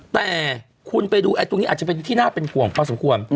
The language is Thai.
แต่คุณไปดูตรงนี้อาจจะเป็นที่น่าเป็นห่วงพอสมควร